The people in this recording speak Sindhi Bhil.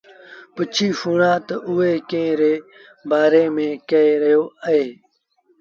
پُڇي سُڻآ تا اوٚ ڪݩهݩ ري بآري ميݩ ڪهي رهيو اهي؟